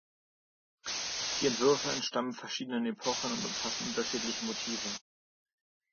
Die Entwürfe entstammen verschiedenen Epochen und umfassen unterschiedliche Motive.